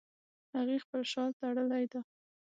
هغې خپل شال تړلی ده